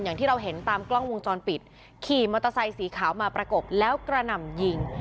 อย่างที่เราเห็นตามกล้องวงจรปิดขี่มอเตอร์ไซค์สีขาวมาประกบแล้วกระหน่ำยิง